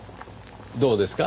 どうですか？